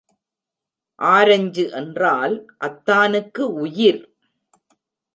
Orange என்றால் அத்தானுக்கு உயிர்.